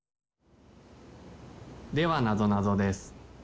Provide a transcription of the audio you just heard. ・ではなぞなぞです。